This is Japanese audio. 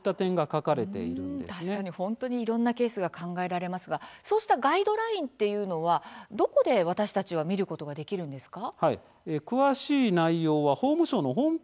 確かに本当にいろんなケースが考えられますがそうしたガイドラインっていうのはどこで私たちは見ることができるんですか？